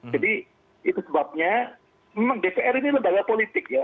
jadi itu sebabnya memang dpr ini lembaga politik ya